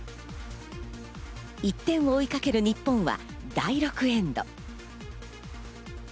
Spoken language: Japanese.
１点を追いかける日本は第６エンド。